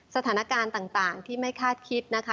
สถานการณ์ต่างที่ไม่คาดคิดนะคะ